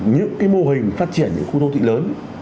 những cái mô hình phát triển những khu thô thị lớn